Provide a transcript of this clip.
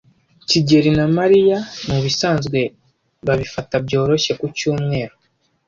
kigeli na Mariya mubisanzwe babifata byoroshye ku cyumweru.